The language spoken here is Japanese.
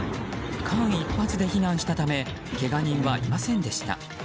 間一髪で避難したためけが人はいませんでした。